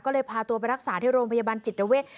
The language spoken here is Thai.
ก็เลยพาตัวไปรักษาที่โรงพยาบาลจิตเวท